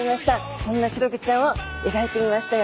そんなシログチちゃんを描いてみましたよ。